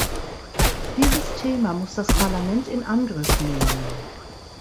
Dieses Thema muss das Parlament in Angriff nehmen!